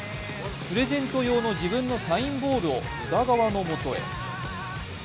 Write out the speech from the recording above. プレゼント用の自分のサインボールを宇田川のもとへ。